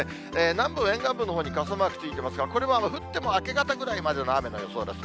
南部、沿岸部のほうに傘マークついてますが、これは降っても明け方ぐらいまでの雨の予想です。